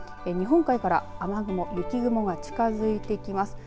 日本海から雨雲、雪雲が近づいてきます。